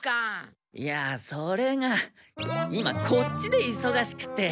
いやあそれが今こっちでいそがしくて。